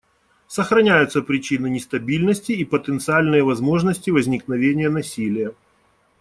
Сохраняются причины нестабильности и потенциальные возможности возникновения насилия.